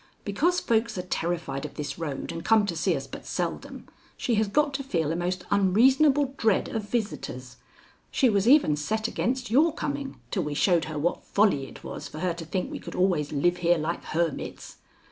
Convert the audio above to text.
"Because folks are terrified of this road and come to see us but seldom, she has got to feel a most unreasonable dread of visitors. She was even set against your coming till we showed her what folly it was for her to think we could always live here like hermits.